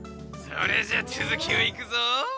それじゃあつづきをいくぞ。